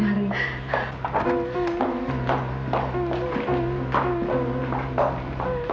mari bu sita